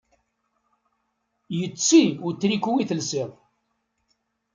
Yetti utriku i telsiḍ.